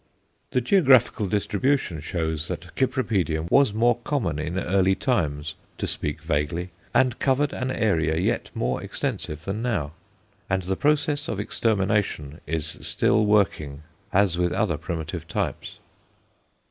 The geographical distribution shows that Cypripedium was more common in early times to speak vaguely and covered an area yet more extensive than now. And the process of extermination is still working, as with other primitive types.